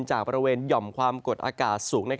จากบริเวณหย่อมความกดอากาศสูง